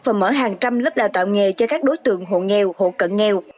và mở hàng trăm lớp đào tạo nghề cho các đối tượng hộ nghèo hộ cận nghèo